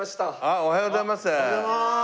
おはようございます！